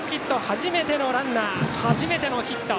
初めてのランナー初めてのヒット。